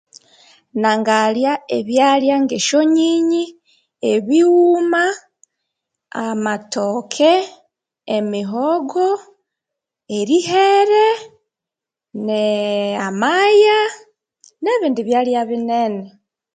Nangalya ebyalya ngesyo nyinyi ebighuma amatooke emihogo erihere ne eh amaya nebindi byalya binene